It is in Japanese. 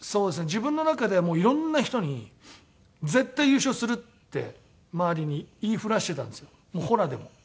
自分の中ではもういろんな人に「絶対優勝する」って周りに言い触らしてたんですほらでも。